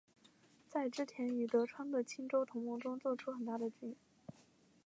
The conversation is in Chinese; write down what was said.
在织田与德川的清洲同盟中作出很大的作用。